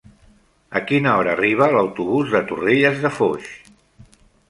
A quina hora arriba l'autobús de Torrelles de Foix?